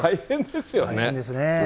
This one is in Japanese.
大変ですね。